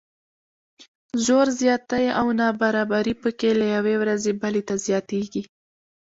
زور زیاتی او نابرابري پکې له یوې ورځې بلې ته زیاتیږي.